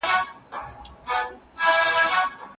نن په څشي تودوې ساړه رګونه